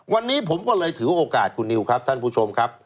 วันนี้ผมก็เลยถือโอกาสคุณนิวครับท่านผู้ชมครับ